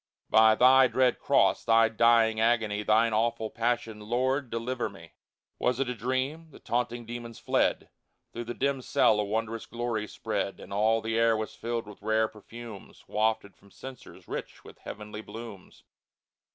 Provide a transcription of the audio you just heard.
"By Thy dread cross. Thy dying agony. Thine awful passion. Lord, deliver me !" Was it a dream ? The taunting demons fled ; Through the dim cell a wondrous glory spread ; And all the air was filled with rare perfumes Wafted from censers rich with heavenly blooms.